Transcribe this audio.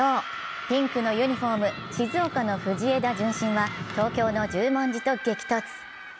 ピンクのユニフォーム、静岡の藤枝順心は東京の十文字と激突。